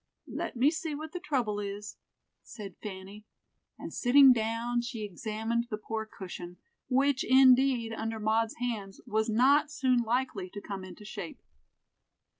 "Let me see what the trouble is," said Fanny, and sitting down, she examined the poor cushion; which, indeed, under Maud's hands, was not soon likely to come into shape.